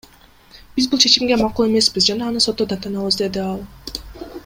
Биз бул чечимге макул эмеспиз жана аны сотто даттанабыз, — деди ал.